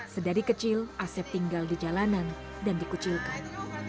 sedari kecil asep tinggal di jalanan dan dikucilkan